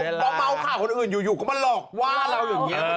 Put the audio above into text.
พอเมาข่าวคนอื่นอยู่ก็มาหลอกว่าเราอย่างนี้